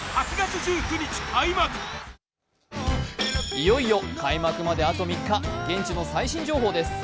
いよいよ開幕まであと３日、現地の最新情報です。